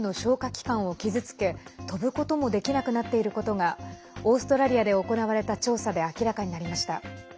器官を傷つけ飛ぶこともできなくなっていることがオーストラリアで行われた調査で明らかになりました。